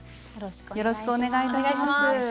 よろしくお願いします。